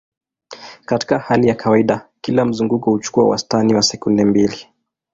Katika hali ya kawaida, kila mzunguko huchukua wastani wa sekunde mbili.